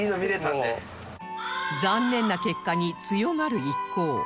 残念な結果に強がる一行